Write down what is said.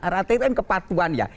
arati itu kan kepatuan ya